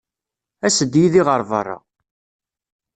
As-d yid-i ɣer beṛṛa.